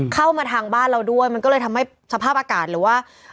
เข้ามาทางบ้านเราด้วยมันก็เลยทำให้สภาพอากาศหรือว่า